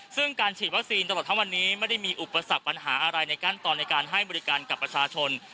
ซึ่งการฉีดวัคซีนตลอดทั้งวันนี้ไม่ได้มีอุปสรรคปัญหาอะไรในขั้นตอนในการให้บริการกับประชาชน